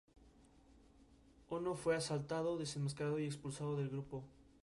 Ono fue asaltado, desenmascarado y expulsado del grupo.